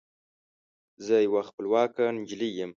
زه یوه خپلواکه نجلۍ یم